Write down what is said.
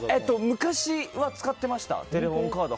昔は、使ってましたテレホンカード。